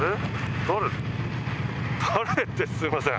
「誰？」ってすいません。